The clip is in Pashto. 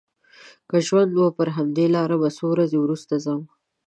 که ژوند و پر همدې لاره به څو ورځې وروسته ځم.